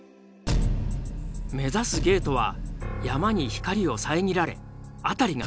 目指すゲートは山に光を遮られ辺りが暗い。